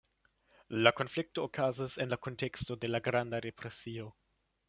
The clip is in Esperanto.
La konflikto okazis en la kunteksto de la Granda Depresio.